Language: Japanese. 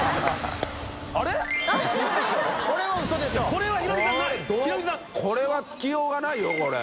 これは付きようがないよこれ。